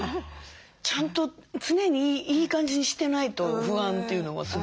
ちゃんと常にいい感じにしてないと不安というのはすごい。